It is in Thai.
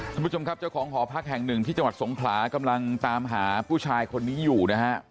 ท่านผู้ชมครับเจ้าของหอพักแห่งหนึ่งที่จังหวัดสงขลากำลังตามหาผู้ชายคนนี้อยู่นะฮะ